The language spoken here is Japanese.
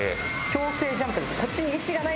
強制ジャンプですね。